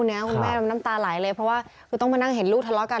คุณแม่น้ำตาไหลเลยเพราะว่าคือต้องมานั่งเห็นลูกทะเลาะกัน